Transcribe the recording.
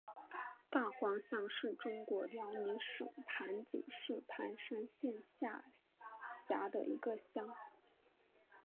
大荒乡是中国辽宁省盘锦市盘山县下辖的一个乡。